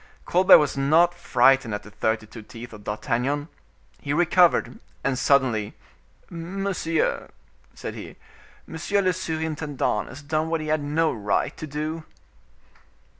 Colbert was not frightened at the thirty two teeth of D'Artagnan. He recovered, and suddenly,—"Monsieur," said he, "monsieur le surintendant has done what he had no right to do."